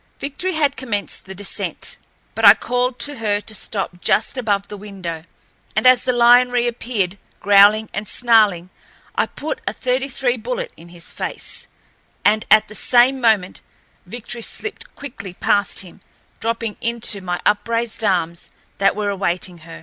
Victory had commenced the descent, but I called to her to stop just above the window, and, as the lion reappeared, growling and snarling, I put a .33 bullet in his face, and at the same moment Victory slipped quickly past him, dropping into my upraised arms that were awaiting her.